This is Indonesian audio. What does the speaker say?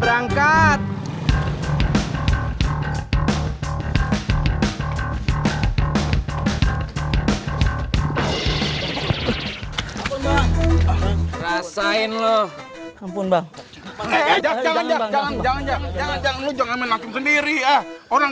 berangkat rasain loh ampun bang jangan jangan jangan jangan jangan jangan sendiri ya orang